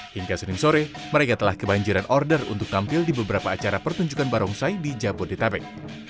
hingga senin sore mereka telah kebanjiran order untuk tampil di beberapa acara pertunjukan barongsai di jabodetabek